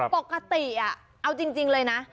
ปกติเอาจริงเลยนะ